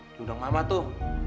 di undang mama tuh